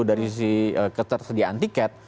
dari sisi ketersediaan tiket